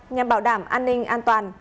nhằm bảo đảm an ninh an toàn